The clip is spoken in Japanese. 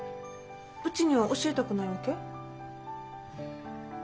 うちには教えたくないわけ？